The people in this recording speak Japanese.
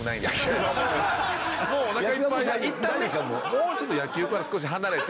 もうちょっと野球から少し離れて。